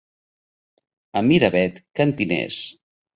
A Miravet, cantiners.